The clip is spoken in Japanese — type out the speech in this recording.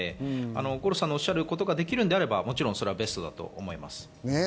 五郎さんのおっしゃることができるのであればベストだと思います。